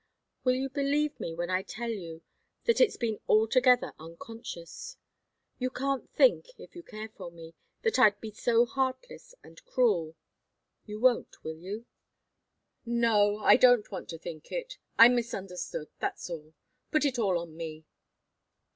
"Will you believe me when I tell you that it's been altogether unconscious? You can't think if you care for me that I'd be so heartless and cruel. You won't, will you?" "No I don't want to think it. I misunderstood that's all. Put it all on me."